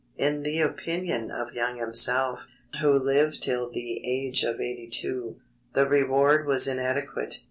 In the opinion of Young himself, who lived till the age of 82, the reward was inadequate.